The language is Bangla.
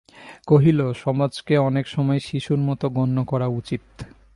কহিল, সমাজকে অনেক সময় শিশুর মতো গণ্য করা উচিত।